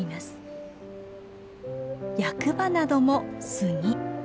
役場なども杉。